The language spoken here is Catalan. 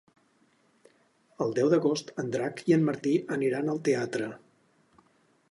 El deu d'agost en Drac i en Martí aniran al teatre.